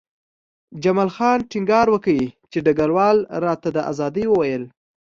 جمال خان ټینګار وکړ چې ډګروال راته د ازادۍ وویل